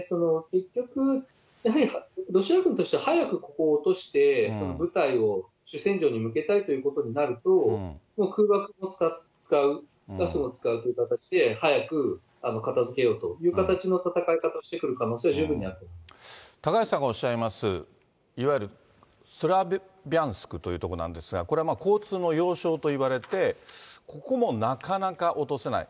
結局、やはりロシア軍としては早くここを落として、部隊を主戦場に向けたいということになると、空爆を使う、ガスも使うという形で、早く片づけようという形の戦い方をしてくる可能性は十分あると思高橋さんがおっしゃいます、いわゆるスラビャンスクという所なんですが、これは交通の要衝といわれて、ここもなかなか落とせない。